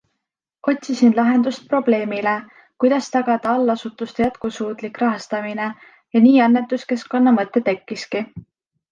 Otsisin lahendust probleemile, kuidas tagada allasutuste jätkusuutlik rahastamine ja nii annetuskeskkonna mõte tekkiski.